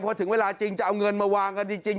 พอถึงเวลาจริงจะเอาเงินมาวางกันจริง